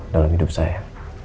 dalam hidup saya